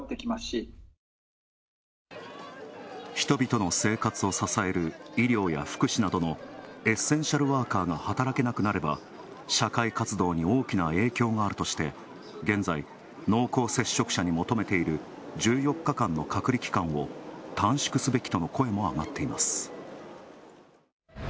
人々の生活を支える医療や福祉などのエッセンシャルワーカーが働けなくなれば社会活動に大きな影響があるとして、現在、濃厚接触者に求めている１４日間の隔離期間を短縮すべきとの声もあがっています。